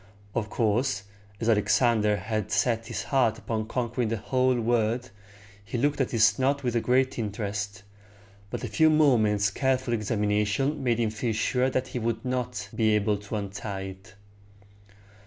Of course, as Alexander had set his heart upon conquering the whole world, he looked at this knot with great interest; but a few moments' careful examination made him feel sure that he would not be able to untie it.